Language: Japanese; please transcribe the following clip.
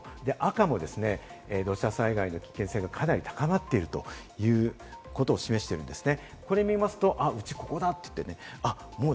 赤もですね、土砂災害の危険性がかなり高まっているということを示しているんですね。